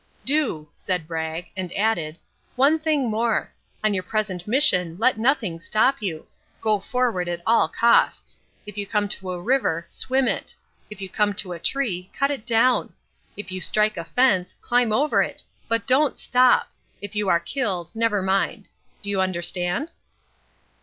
"Do," said Bragg, and added, "One thing more. On your present mission let nothing stop you. Go forward at all costs. If you come to a river, swim it. If you come to a tree, cut it down. If you strike a fence, climb over it. But don't stop! If you are killed, never mind. Do you understand?"